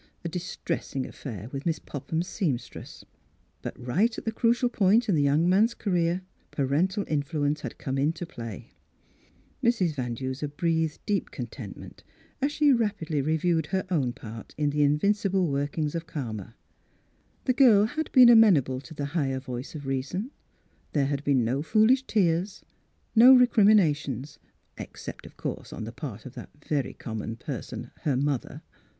A distressing affair with Miss Popham's seamstress. But right at the crucial point in the young man's career parental influence had come into play. Mrs. Van Duser breathed deep content ment as she rapidly reviewed her own part in the invincible workings of Karma. The girl had been amenable to the higher voice of reason ; there had been no foolish tears, no recriminations, except, of course, on the part of that very common person, her mother.